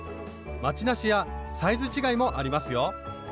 まちなしやサイズ違いもありますよ。